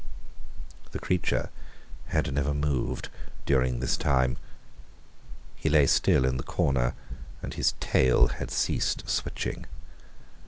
The creature had never moved during this time. He lay still in the corner, and his tail had ceased switching.